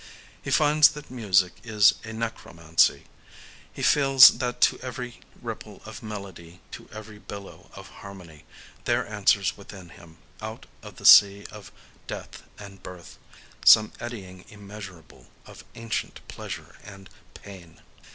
He finds that music is a Necromancy;—he feels that to every ripple of melody, to every billow of harmony, there answers within him, out of the Sea of Death and Birth, some eddying immeasurable of ancient pleasure and pain.